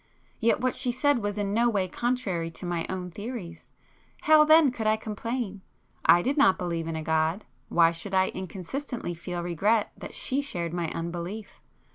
Yet what she said was in no way contrary to my own theories,—how then could I complain? I did not believe in a God; why should I inconsistently feel regret that she shared my unbelief?